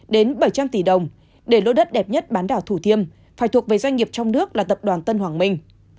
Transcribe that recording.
đến bảy trăm linh tỷ đồng để lô đất đẹp nhất bán đảo thủ thiêm phải thuộc về doanh nghiệp trong nước là tập đoàn tân hoàng minh